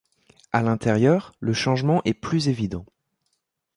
À l'intérieur, le changement est plus évident.